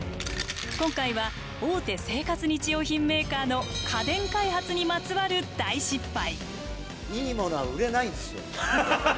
今回は大手生活日用品メーカーの家電開発にまつわる大失敗。